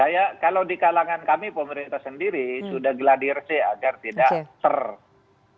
ya kalau di kalangan kami pemerintah sendiri sudah gladir sih agar tidak terlalu banyak